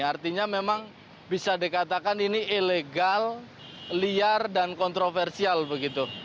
artinya memang bisa dikatakan ini ilegal liar dan kontroversial begitu